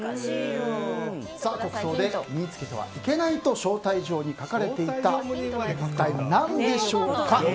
国葬で身に着けてはいけないと招待状に書かれていたのは一体何でしょうか。